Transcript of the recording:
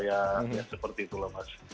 ya seperti itulah mas